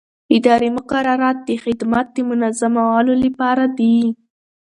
اداري مقررات د خدمت د منظمولو لپاره دي.